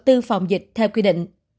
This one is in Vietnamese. tư phòng dịch theo quy định